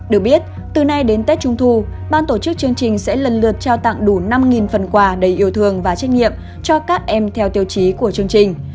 được biết từ nay đến tết trung thu ban tổ chức chương trình sẽ lần lượt trao tặng đủ năm phần quà đầy yêu thương và trách nhiệm cho các em theo tiêu chí của chương trình